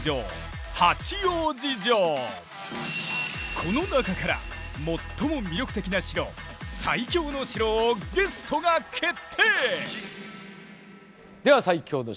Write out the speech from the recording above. この中から最も魅力的な城「最強の城」をゲストが決定！では「最強の城」